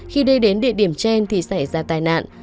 khi đi đến địa điểm trên thì xảy ra tai nạn